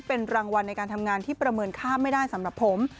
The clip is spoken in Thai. เป็นรางวัลในการทำงานที่ประเมินค่าไม่ได้สำหรับผม